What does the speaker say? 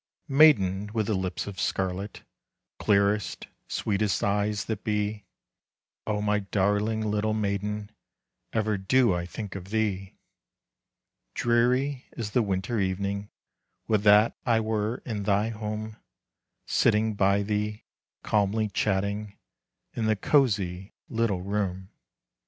Maiden with the lips of scarlet, Clearest, sweetest eyes that be, O my darling little maiden, Ever do I think of thee! Dreary is the winter evening: Would that I were in thy home, Sitting by thee, calmly chatting, In the cosy little room.